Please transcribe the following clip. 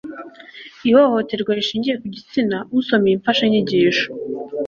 ihohoterwa rishingiye ku gitsina usoma iyi mfashanyigisho